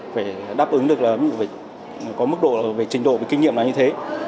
phải đáp ứng được có mức độ trình độ kinh nghiệm như thế